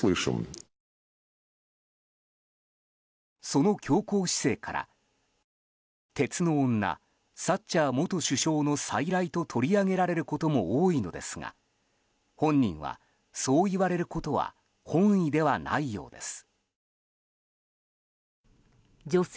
その強硬姿勢から鉄の女サッチャー元首相の再来と取り上げられることも多いのですが本人は、そう言われることは本意ではないようです。